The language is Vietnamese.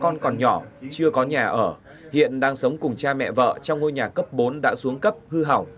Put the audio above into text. con còn nhỏ chưa có nhà ở hiện đang sống cùng cha mẹ vợ trong ngôi nhà cấp bốn đã xuống cấp hư hỏng